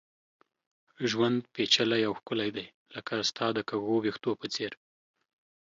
ژوند پېچلی او ښکلی دی ، لکه ستا د کږو ويښتو په څېر